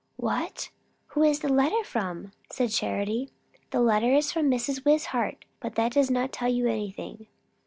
"What? Who is the letter from?" said Charity. "The letter is from Mrs. Wishart, but that does not tell you anything."